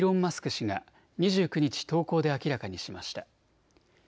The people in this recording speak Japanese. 氏が２９日、投稿で明らかにしました。